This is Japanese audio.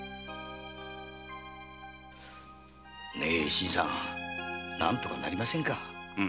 新さん何とかなりませんか？